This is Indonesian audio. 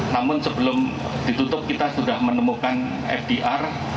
namun sebelum ditutup kita sudah menemukan fdr